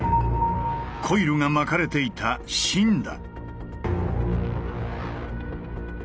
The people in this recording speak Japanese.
コイルが巻かれていた芯だ。